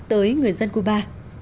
tới người dân cuba